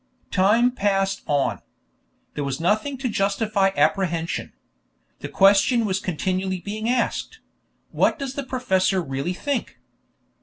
Time passed on. There was nothing to justify apprehension. The question was continually being asked, "What does the professor really think?"